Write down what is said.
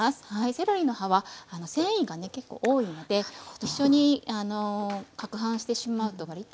セロリの葉は繊維がね結構多いので一緒にかくはんしてしまうとわりと残ってしまうんですね。